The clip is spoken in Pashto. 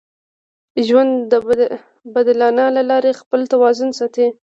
ژوند د بدلانه له لارې خپل توازن ساتي.